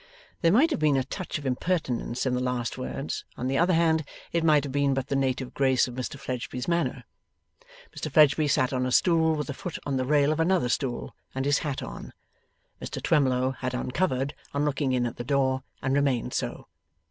There might have been a touch of impertinence in the last words; on the other hand, it might have been but the native grace of Mr Fledgeby's manner. Mr Fledgeby sat on a stool with a foot on the rail of another stool, and his hat on. Mr Twemlow had uncovered on looking in at the door, and remained so.